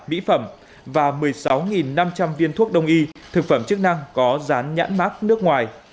mỹ phẩm và một mươi sáu năm trăm linh viên thuốc đông y thực phẩm chức năng có rán nhãn mát nước ngoài